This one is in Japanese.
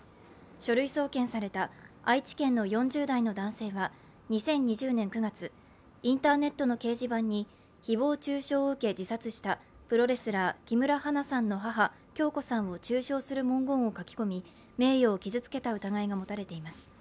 書類送検された愛知県の４０代の男性は２０２０年９月、インターネットの掲示板に誹謗中傷を受け自殺したプロレスラー・木村花さんの母・響子さんを中傷する文言を書き込み、名誉を傷つけた疑いが持たれています。